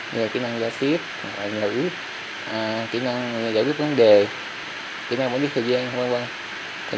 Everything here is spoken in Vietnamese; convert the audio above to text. như là kỹ năng giả xiếp giải quyết vấn đề kỹ năng bỏ đi thời gian